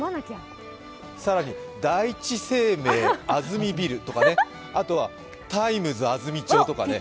更に第一生命あずみビルとかですね、あとはタイムズ安住町とかね、